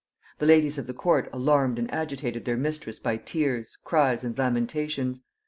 The ladies of the court alarmed and agitated their mistress by tears, cries, and lamentations.